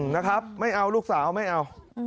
นะครับไม่เอาลูกสาวไม่เอา